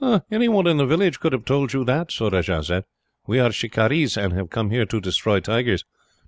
"Any one in the village could have told you that," Surajah said. "We are shikarees, and have come here to destroy tigers.